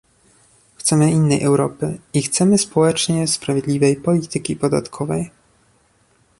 Chcemy innej Europy i chcemy społecznie sprawiedliwej polityki podatkowej